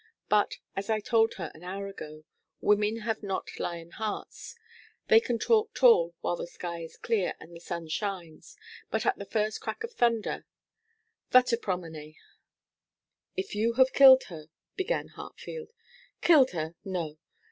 But, as I told her an hour ago, women have not lion hearts. They can talk tall while the sky is clear and the sun shines, but at the first crack of thunder va te promener.' 'If you have killed her ' began Hartfield. 'Killed her! No.